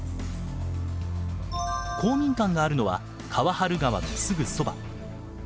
公民館があるのは河原川のすぐそば。